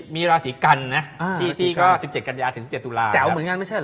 มีราศีกันนะที่ก็๑๗กันยาถึง๑๗ตุลาแจ๋วเหมือนกันไม่ใช่เหรอ